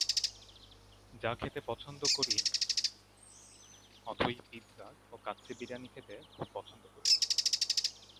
যা খেতে পছন্দ করিঅথই পিৎজা ও কাচ্চি বিরিয়ানি খেতে খুব পছন্দ করি।